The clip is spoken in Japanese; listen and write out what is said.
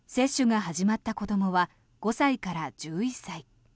接種が始まった子どもは５歳から１１歳。